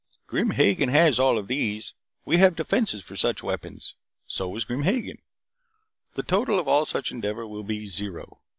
"Grim Hagen has all of these. We have defenses for such weapons. So has Grim Hagen. The total of all such endeavor will be zero.